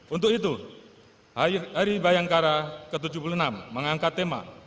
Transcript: untuk itu hari bayangkara ke tujuh puluh enam mengangkat tema